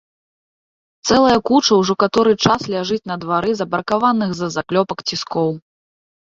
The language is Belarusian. Цэлая куча ўжо каторы час ляжыць на двары збракованых з-за заклёпак ціскоў!